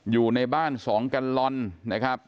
อยู่ในบ้านสองกัลลอนนะครับ